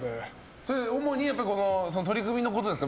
それ、主にやっぱり取組のことですか。